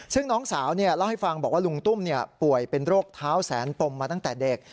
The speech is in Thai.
ซึ่งน้องสาวเล่าให้ฟังบอกว่าลุงตุ้มป่วยเป็นโรคเท้าแสนปมมาตั้งแต่เด็ก